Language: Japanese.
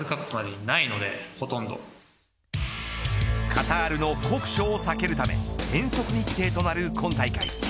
カタールの酷暑を避けるため変則日程となる今大会。